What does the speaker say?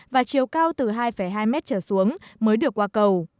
và chiều cao từ hai hai mét trở xuống mới được qua cầu